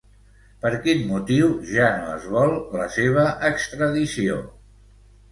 Per quin motiu ja no es vol la seva extradició?